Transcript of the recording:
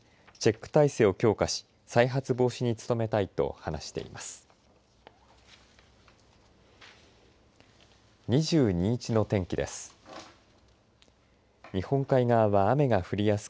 チェック体制を強化し再発防止に努めたいと話しています。